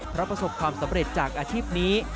เพราะประสบความสำเร็จจากอาชีพนี้